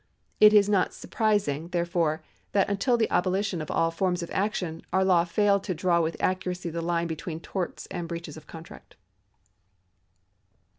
It is not surprising, therefore, that until the abolition of all forms of action, our law failed to draw %vith accuracy the line between torts and breaches of contract.